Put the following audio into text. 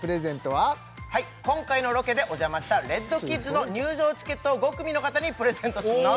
はい今回のロケでお邪魔したＲＥＤ°ＫＩＤＳの入場チケットを５組の方にプレゼントします